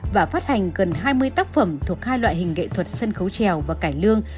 và phát hành gần hai mươi tác phẩm thuộc hai loại hình nghệ thuật sân khấu trèo và cải lương